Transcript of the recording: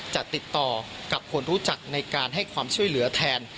จะติดต่อกับคนรู้จักในการให้ความช่วยเหลือแทน